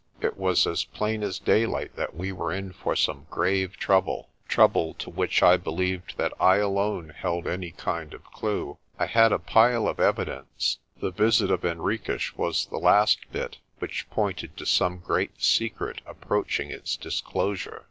It was as plain as daylight that we were in for some grave trouble, trouble to which I believed that I alone held any kind of clue. I had a pile of evidence the visit of Hen riques was the last bit which pointed to some great secret approaching its disclosure.